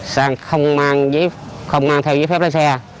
sang không mang theo giấy phép lấy xe